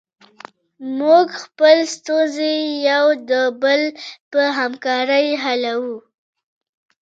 موږ خپلې ستونزې یو د بل په همکاري حلوو.